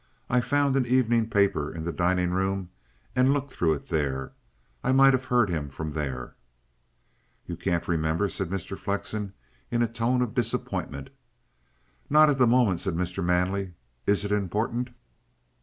I found an evening paper in the dining room and looked through it there. I might have heard him from there." "You can't remember?" said Mr. Flexen in a tone of disappointment. "Not at the moment," said Mr. Manley. "Is it important?"